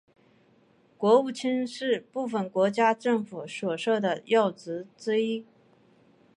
国务卿是部份国家政府所设的要职之一。